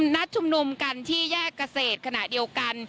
นัดชุมนุมกันที่แยกเกษตรขณะเดียวกัน